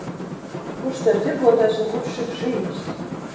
Kurš te ir tirgotājs un kurš ir žīds?